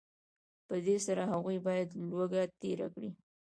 په دې سره هغوی باید لوږه تېره کړي